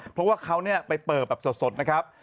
เพราะว่าเขาไปเปิดแบบสดนะครับ